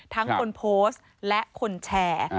ทั้งคนโพสต์และคนแชร์